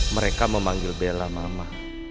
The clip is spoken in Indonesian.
mereka memanggil bella mama